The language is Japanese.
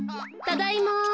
ただいま。